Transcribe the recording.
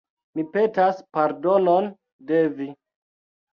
Mi petas pardonon de vi.